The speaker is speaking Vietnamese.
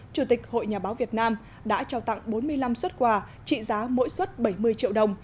chủ tịch hội nhà báo việt nam đã trao tặng bốn mươi năm xuất quà trị giá mỗi xuất bảy mươi triệu đồng